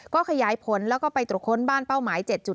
ก็ขยายผลแล้วก็ไปตรวจค้นบ้านเป้าหมาย๗๕